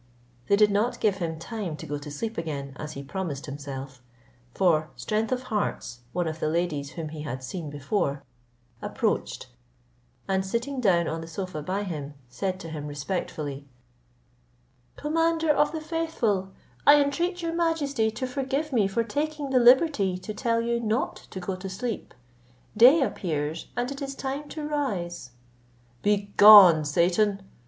They did not give him time to go to sleep again as he promised himself; for Strength of Hearts, one of the ladies whom he had seen before, approached, and sitting down on the sofa by him, said to him respectfully, "Commander of the faithful, I entreat your majesty to forgive me for taking the liberty to tell you not to go to sleep; day appears, and it is time to rise." "Begone, Satan!"